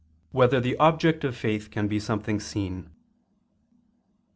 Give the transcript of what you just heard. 4] Whether the Object of Faith Can Be Something Seen?